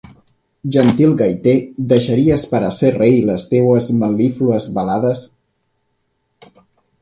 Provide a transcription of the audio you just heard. Gentil gaiter, deixaries per a ser rei, les teues mel·líflues balades?